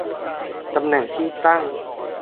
ตำแหน่งที่ตั้ง